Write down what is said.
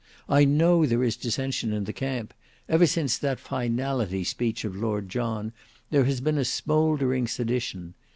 I know there is dissension in the camp; ever since that Finality speech of Lord John, there has been a smouldering sedition.